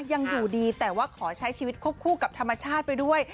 ยังอยู่ดีแต่ว่าขอใช้ชีวิตควบคู่กับธรรมชาติไปด้วย